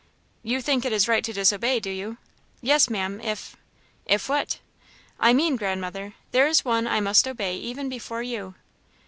"You think it is right to disobey, do you?" "Yes, Ma'am, if " "If what?" "I mean, Grandmother, there is One I must obey even before you."